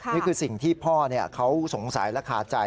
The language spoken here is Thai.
นี่คือสิ่งที่พ่อเขาสงสัยและคาใจ